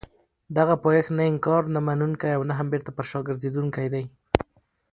دغه پایښت نه انکار نه منونکی او نه هم بېرته پر شا ګرځېدونکی دی.